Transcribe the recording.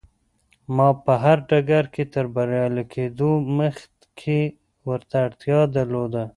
ما په هر ډګر کې تر بريالي کېدو مخکې ورته اړتيا درلوده.